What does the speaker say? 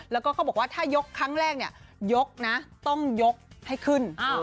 แล้วก็เขาบอกว่าถ้ายกครั้งแรกเนี่ยยกนะต้องยกให้ขึ้น